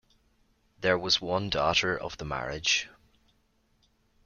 There was one daughter of the marriage.